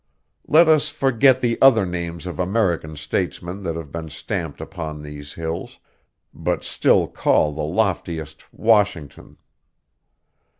Let us forget the other names of American statesmen that have been stamped upon these hills, but still call the loftiest Washington.